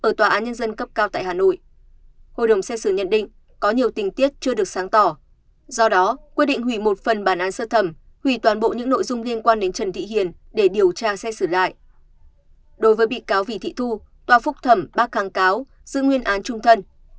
đối với bị cáo vì thị thu tòa phúc thẩm bác kháng cáo giữ nguyên án trung thân